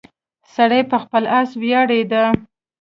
سړی په خپل اس ویاړیده.